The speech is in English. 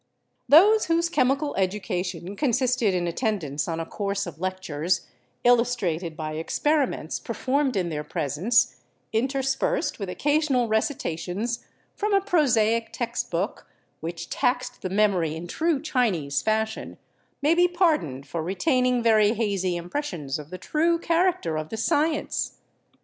Th se v r hose chemical education consisted in attend ance on a course of lectures illustrated by experiments performed in their presence, interspersed with occasional recitations from a prosaic text book which taxed the memory in true Chinese fashion, may be pardoned for retaining very hazy impressions of the true character of the science.